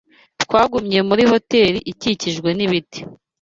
Twagumye muri hoteri ikikijwe n'ibiti.